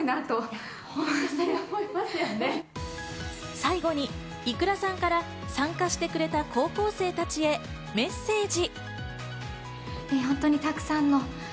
最後にｉｋｕｒａさんから参加してくれた高校生たちへメッセージ。